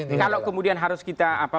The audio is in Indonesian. yang tepat kalau kemudian harus kita